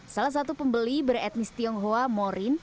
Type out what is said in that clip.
salah satu pembeli beretmis tionghoa morin